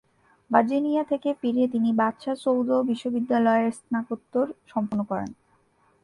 Virginia থেকে ফিরে তিনি বাদশা সৌদ বিশ্ববিদ্যালয়ে স্নাতকোত্তর সম্পন্ন করেন।